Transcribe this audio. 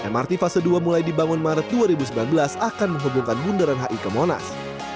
mrt fase dua mulai dibangun maret dua ribu sembilan belas akan menghubungkan bundaran hi ke monas